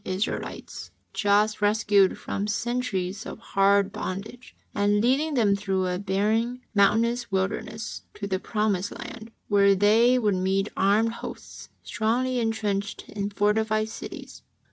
Israelites just rescued from centuries of hard bondage, and leading them through a barren, mountainous wilderness, to the promised land, where they would meet armed hosts, strongly entrenched in fortified cities.